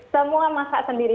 semua masak sendiri